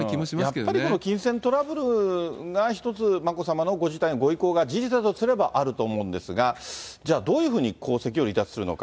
やっぱりこの金銭トラブルが一つ、眞子さまのご辞退のご意向が事実だとすれば、あると思うんですが、じゃあ、どういうふうに皇籍を離脱するのか。